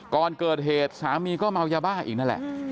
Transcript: ก่อนเกิดเหตุสามีก็เมายาบ้าอีกนั่นแหละ